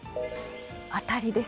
当たりです。